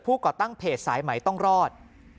ก่อตั้งเพจสายไหมต้องรอด